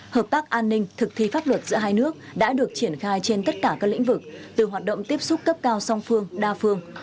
hợp tác an ninh thực thi pháp luật giữa hai nước đã được triển khai trên tất cả các lĩnh vực từ hoạt động tiếp xúc cấp cao song phương đa phương